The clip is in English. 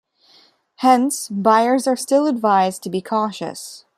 Hence, buyers are still advised to be cautious.